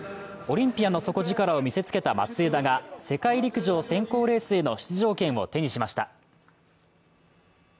オリンピアンの底力を見せつけた松枝が世界陸上選考レースへの出場権を手にしました。